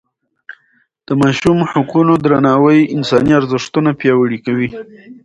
د ماشوم حقونو درناوی انساني ارزښتونه پیاوړي کوي.